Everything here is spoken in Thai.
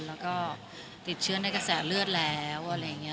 แล้วก็ติดเชื้อในกระแสเลือดแล้วอะไรอย่างนี้